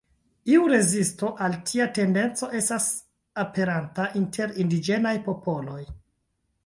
Iu rezisto al tia tendenco estas aperanta inter indiĝenaj popoloj.